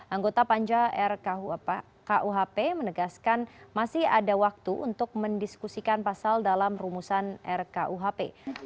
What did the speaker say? anggota panja rkuhp menegaskan masih ada waktu untuk mendiskusikan pasal dalam rumusan rkuhp